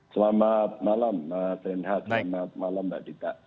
selamat malam pak reinhardt selamat malam mbak adhita